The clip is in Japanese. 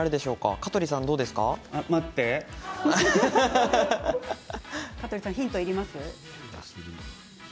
香取さんヒントいりますか。